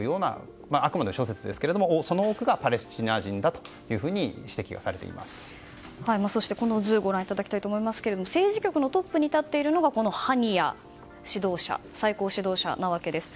あくまで諸説ですけれどもその多くがパレスチナ人だとそして、この図をご覧いただきたいと思いますが政治局のトップに立っているのがハニヤ最高指導者です。